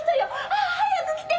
ああ早く来て！